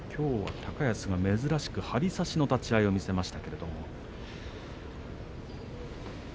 高安珍しく張り差しの立ち合いを見せました。